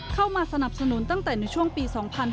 เข้ามาสนับสนุนตั้งแต่ในช่วงปี๒๕๕๙